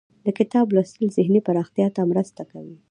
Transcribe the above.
د کتاب لوستل ذهني پراختیا ته مرسته کوي.